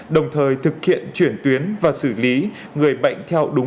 đồng thời thực hiện chuyển tuyến và xử lý người bệnh